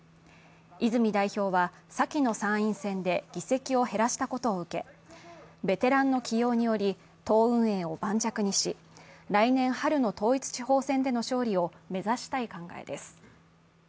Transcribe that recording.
泉代表は先の参院選で議席を減らしたことを受け、ベテランの起用により党運営を盤石にし来年春の統一地方選での勝利を目指したい考えです。